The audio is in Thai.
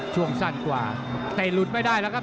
ช่วงสั้นกว่าเตะหลุดไม่ได้แล้วครับ